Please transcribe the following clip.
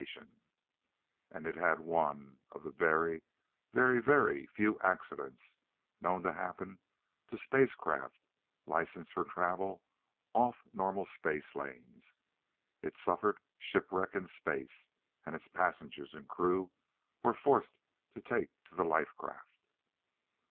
And it had one of the very, very, very few accidents known to happen to space craft licensed for travel off the normal space lanes. It suffered shipwreck in space, and its passengers and crew were forced to take to the life craft.